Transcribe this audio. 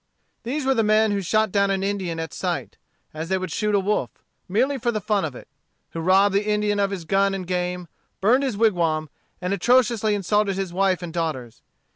These were the men who shot down an Indian at sight, as they would shoot a wolf; merely for the fun of it; who robbed the Indian of his gun and game, burned his wigwam, and atrociously insulted his wife and daughters.